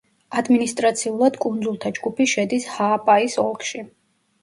ადმინისტრაციულად კუნძულთა ჯგუფი შედის ჰააპაის ოლქში.